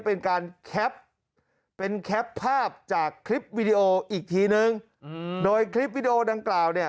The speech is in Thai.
เป็นการแคปเป็นแคปภาพจากคลิปวิดีโออีกทีนึงโดยคลิปวิดีโอดังกล่าวเนี่ย